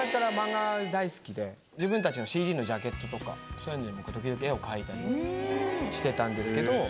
自分たちのＣＤのジャケットとかそういうのにも時々絵を描いたりしてたんですけど。